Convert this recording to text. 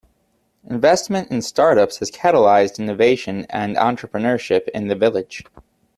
Investment in startups has catalyzed innovation and entrepreneurship in the village.